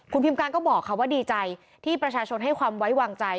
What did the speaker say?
คุณพิมการก็บอกค่ะว่าดีใจที่ประชาชนให้ความไว้วางใจ